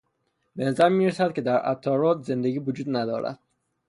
به نظر میرسد که در عطارد زندگی وجود ندارد.